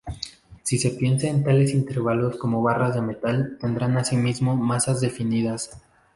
Si se piensa en tales intervalos como barras de metal, tendrán asimismo masas definidas.